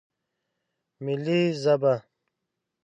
ملي ژبه